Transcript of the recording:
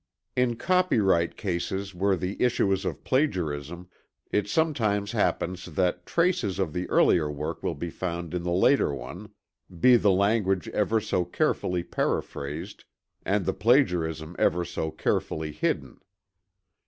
In copyright cases where the issue is of plagiarism, it sometimes happens that traces of the earlier work will be found in the later one, be the language ever so carefully paraphrased and the plagiarism ever so carefully hidden.